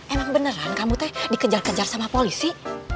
emang beneran kamu teh dikejar kejar sama polisi